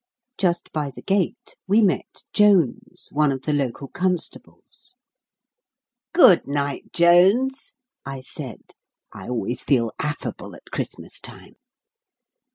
Just by the gate we met Jones, one of the local constables. "Good night, Jones," I said (I always feel affable at Christmas time).